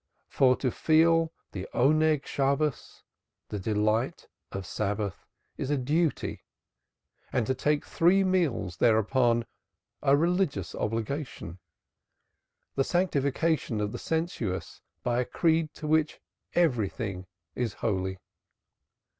For to feel "the delight of Sabbath" is a duty and to take three meals thereon a religions obligation the sanctification of the sensuous by a creed to which everything is holy.